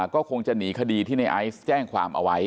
ก็คงจะหนีคดีที่ในไอซ์แจ้งความเอาไว้